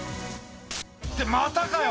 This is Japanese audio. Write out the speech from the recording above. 「ってまたかよ